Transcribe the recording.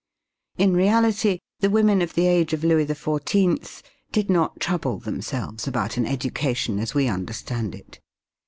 In reality, the women of the age of Louis XIV did not trouble themselves about an education as we understand it.